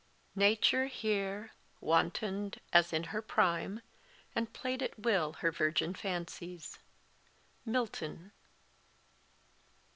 "Nature here Wanton'd as in her prime, and played at will Her virgin fancies." MILTON.